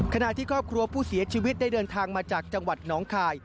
ขณะที่ครอบครัวผู้เสียชีวิตได้เดินทางมาจากจังหวัดน้องคาย